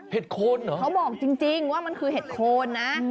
โคนเหรอเขาบอกจริงว่ามันคือเห็ดโคนนะ